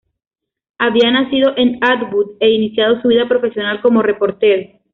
Había nacido en Atwood, e iniciado su vida profesional como reportero.